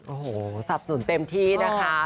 โอ้โหสับสนเต็มที่นะคะ